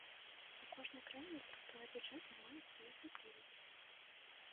У кожнай краіне структура бюджэту мае свае асаблівасці.